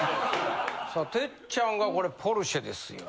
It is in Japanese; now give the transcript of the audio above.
さあ哲ちゃんがこれポルシェですよ。